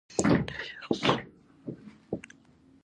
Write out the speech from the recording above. د شخصي کلینیکونو فیس لوړ دی؟